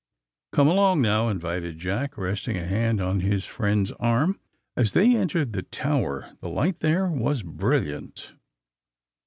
'^Come along, now," invited Jack, resting a hand on his friend's arm. As they entered the tower the light there was brilliant.